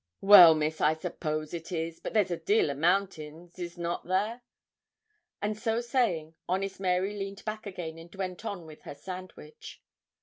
'Well, Miss, I suppose it is; but there's a deal o' mountains is not there?' And so saying, honest Mary leaned back again, and went on with her sandwich.